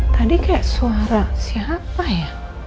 tadi kayak suara siapa ya